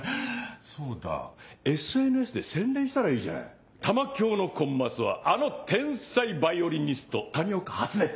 そうだＳＮＳで宣伝したらいいじゃない「玉響のコンマスはあの天才ヴァイオリニスト谷岡初音」って。